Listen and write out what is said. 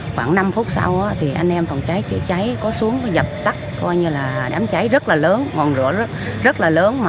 khoảng năm phút sau anh em phòng cháy trợ cháy có xuống dập tắt đám cháy rất là lớn ngọn lửa rất là lớn